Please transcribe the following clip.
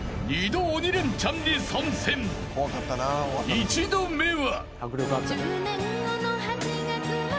［１度目は］